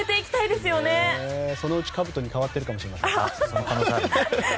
そのうち、かぶとに変わってるかもしれませんが。